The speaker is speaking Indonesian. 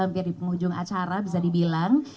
hampir di penghujung acara bisa dibilang